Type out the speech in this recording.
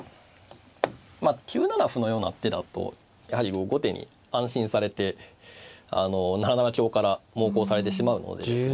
まあ９七歩のような手だとやはり後手に安心されて７七香から猛攻されてしまうのでですね